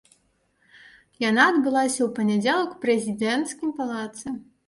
Яна адбылася ў панядзелак у прэзідэнцкім палацы.